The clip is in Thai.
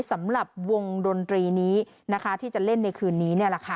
สำหรับวงดนตรีนี้นะคะที่จะเล่นในคืนนี้เนี่ยแหละค่ะ